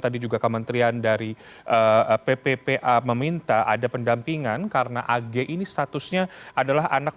terima kasih atas perhatian dan kesabaran yang menunggu